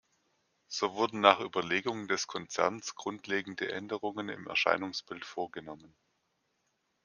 So wurden nach Überlegungen des Konzerns grundlegende Änderungen im Erscheinungsbild vorgenommen.